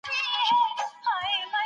څنګه سفیر پر نورو هیوادونو اغیز کوي؟